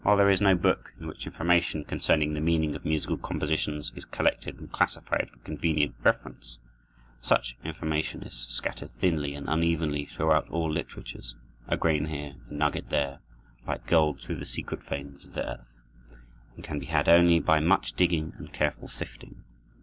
While there is no book in which information concerning the meaning of musical compositions is collected and classified for convenient reference, such information is scattered thinly and unevenly throughout all literatures,—a grain here, a nugget there, like gold through the secret veins of the earth,—and can be had only by much digging and careful sifting.